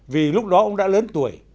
vì lúc đó ông đã lớn tuổi